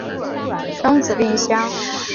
生子令香。